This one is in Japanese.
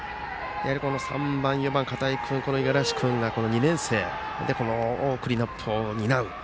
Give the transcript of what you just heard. ３番、４番の片井君、五十嵐君が２年生で、クリーンナップを担う。